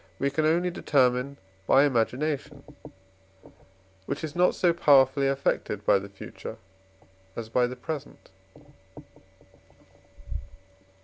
we can only determine by imagination, which is not so powerfully affected by the future as by the present.